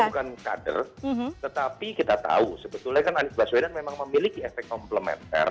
bukan kader tetapi kita tahu sebetulnya kan anies baswedan memang memiliki efek komplementer